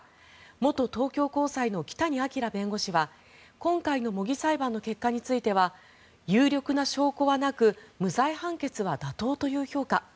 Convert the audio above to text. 元東京高裁の木谷明弁護士は今回の模擬裁判の結果については有力な証拠はなく無罪判決は妥当という評価。